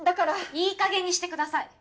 いいかげんにしてください。